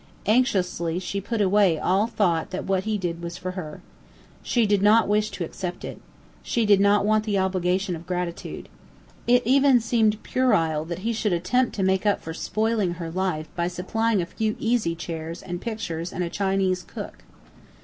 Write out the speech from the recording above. Anxiously she put away the thought that all he did was for her. She did not wish to accept it. She did not want the obligation of gratitude. It even seemed puerile that he should attempt to make up for spoiling her life by supplying a few easy chairs and pictures and a Chinese cook.